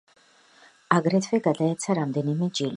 აგრეთვე გადაეცა რამდენიმე ჯილდო.